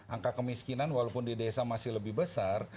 angka kemiskinan walaupun di desa masih lebih besar